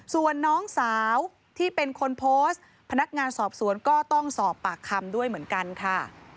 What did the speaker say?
ส่วนน้องสาวที่เป็นคนโพสต์พนักงานสอบสวนก็ต้องสอบปากคำด้วยเหมือนกันค่ะ